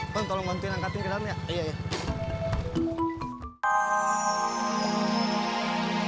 bang tolong nanti angkatin ke dalam ya